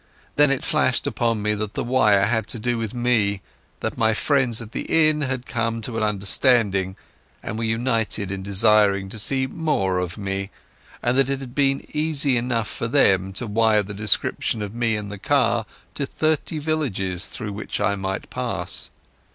Then it flashed upon me that the wire had to do with me; that my friends at the inn had come to an understanding, and were united in desiring to see more of me, and that it had been easy enough for them to wire the description of me and the car to thirty villages through which I might pass.